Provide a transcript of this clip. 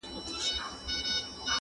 پاچهي یې د مرغانو مسخره سوه،